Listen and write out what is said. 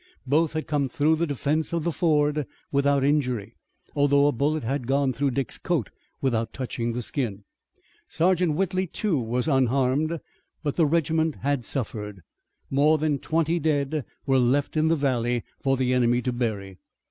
Both had come through the defense of the ford without injury, although a bullet had gone through Dick's coat without touching the skin. Sergeant Whitley, too, was unharmed, but the regiment had suffered. More than twenty dead were left in the valley for the enemy to bury.